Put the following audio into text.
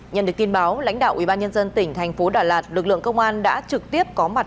nhận được tin báo lãnh đạo ubnd tỉnh thành phố đà lạt lực lượng công an đã trực tiếp có mặt